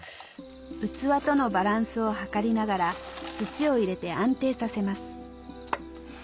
器とのバランスをはかりながら土を入れて安定させます